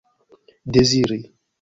deziri